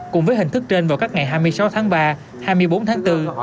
cùng với hình thức trên vào các ngày hai mươi sáu tháng ba hai mươi bốn tháng bốn